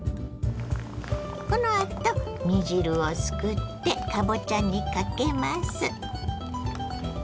このあと煮汁をすくってかぼちゃにかけます。